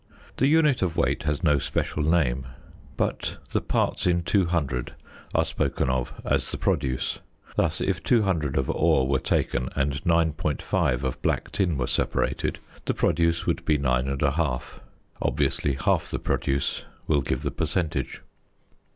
The unit of weight has no special name, but the parts in 200 are spoken of as the produce; thus, if 200 of ore were taken and 9.5 of black tin were separated, the produce would be 9 1/2: obviously half the "produce" will give the percentage.